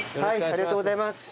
ありがとうございます。